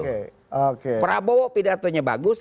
kalau tidak bisa pidato pidatonya bagus